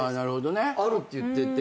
あるっていってて。